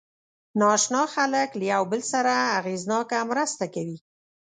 ناآشنا خلک له یو بل سره اغېزناکه مرسته کوي.